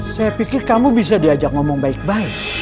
saya pikir kamu bisa diajak ngomong baik baik